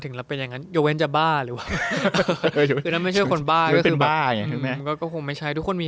หรือค่อยเข้าใจว่าอ๋อ